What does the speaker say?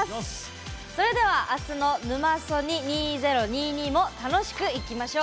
それでは明日の「ヌマソニ２０２２」も楽しくいきましょう！